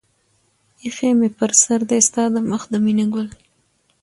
اىښى مې پر سر دى ستا د مخ د مينې گل